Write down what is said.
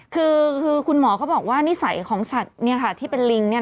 คือคุณหมอเขาบอกว่านิสัยของสัตว์ที่เป็นลิง